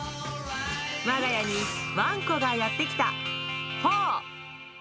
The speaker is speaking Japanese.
我が家にワンコがやってきた！